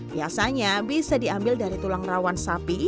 biasanya bisa diambil dari tulang rawan sapi